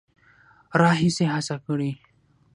راهیسې هڅه کړې